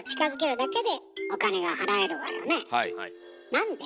なんで？